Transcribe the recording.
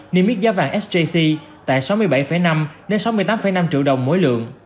niêm mít giá vàng sjc tại thị trường hà nội ở mức từ sáu mươi bảy năm đến sáu mươi tám năm triệu đồng mỗi lượng